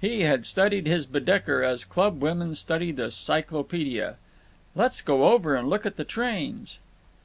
He had studied his Baedeker as club women study the cyclopedia. "Let's go over and look at the trains."